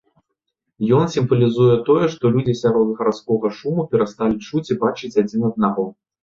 Ён сімвалізуе тое, што людзі сярод гарадскога шуму перасталі чуць і бачыць адзін аднаго.